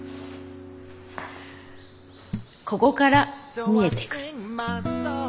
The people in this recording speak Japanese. ここから見えてくる。